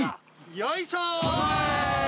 よいしょ！